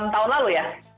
tahun lalu ya